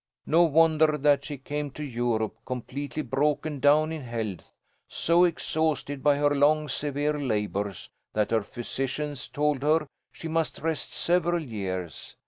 "No wonder that she came to Europe completely broken down in health, so exhausted by her long, severe labours that her physicians told her she must rest several years.